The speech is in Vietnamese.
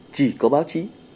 chỉ có báo chí